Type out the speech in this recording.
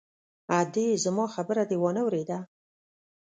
_ادې! زما خبره دې وانه ورېده!